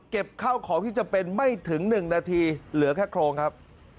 ข้าวของที่จะเป็นไม่ถึง๑นาทีเหลือแค่โครงครับ